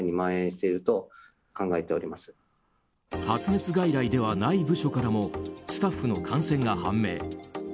発熱外来ではない部署からもスタッフの感染が判明。